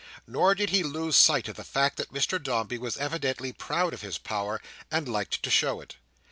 Nor did he lose sight of the fact that Mr Dombey was evidently proud of his power, and liked to show it.